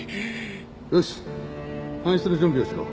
よし搬出の準備をしろ。